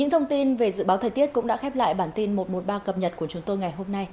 hãy đăng ký kênh để ủng hộ kênh của mình nhé